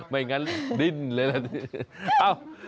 ไม่งั้นดิ้นเลยนะสิ